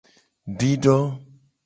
Dido.